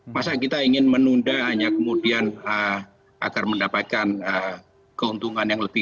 masa kita ingin menunda hanya kemudian agar mendapatkan keuntungan yang lebih